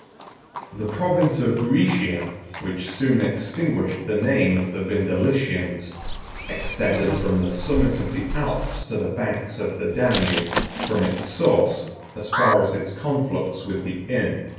] The province of Rhætia, which soon extinguished the name of the Vindelicians, extended from the summit of the Alps to the banks of the Danube; from its source, as far as its conflux with the Inn.